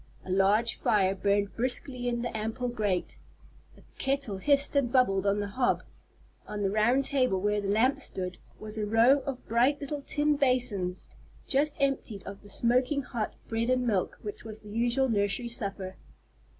A large fire burned briskly in the ample grate. A kettle hissed and bubbled on the hob; on the round table where the lamp stood, was a row of bright little tin basins just emptied of the smoking hot bread and milk which was the usual nursery supper.